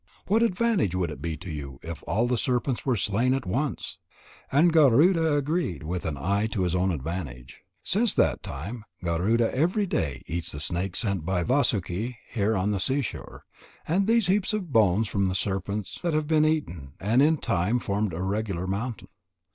What advantage would it be to you if all the serpents were slain at once?" And Garuda agreed, with an eye to his own advantage. Since that time Garuda every day eats the snake sent by Vasuki here on the seashore. And these heaps of bones from the serpents that have been eaten, have in time formed a regular mountain.